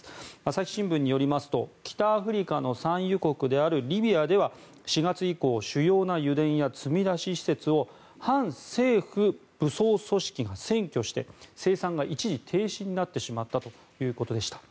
朝日新聞によりますと北アフリカの産油国であるリビアでは４月以降主要な油田や積み出し施設を反政府武装組織が占拠して生産が一時停止になってしまったということでした。